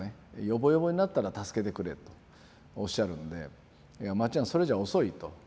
ヨボヨボになったら助けてくれとおっしゃるんでいやまっちゃんそれじゃ遅いと。